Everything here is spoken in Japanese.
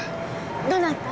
どなた？